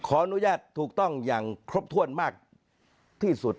อนุญาตถูกต้องอย่างครบถ้วนมากที่สุด